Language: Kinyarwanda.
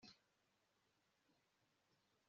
tugomba kubana nibyo